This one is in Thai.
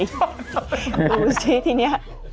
ดูสิที่เนี่ย